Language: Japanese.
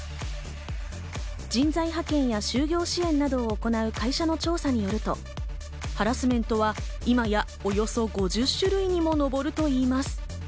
人材派遣や就業支援などを行う会社の調査によると、ハラスメントは今やおよそ５０種類にものぼるといいます。